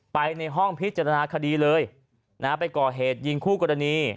ไปในห้องพิจารณาคดีเลยนะฮะไปก่อเหตุยิงคู่กรณี